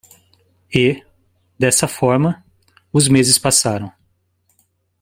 E? dessa forma? os meses passaram.